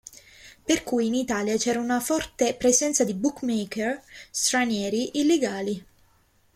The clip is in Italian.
Per cui in Italia c'era una forte presenza di bookmaker stranieri illegali.